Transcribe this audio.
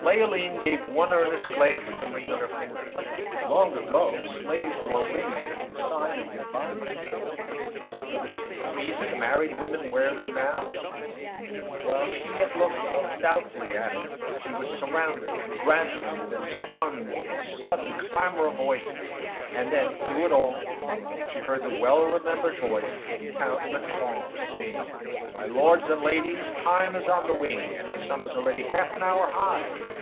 Leoline gave one earnest glance at the ring on her finger. Long ago, slaves wore rings as the sign of their bondage is it for the same reason married women wear them now? While she yet looked half doubtfully at it, she was surrounded, congratulated, and stunned with a sadden clamor of voices; and then, through it all, she heard the well remembered voice of Count L'Estrange, saying: "My lords and ladies, time is on the wing, and the sun is already half an hour high!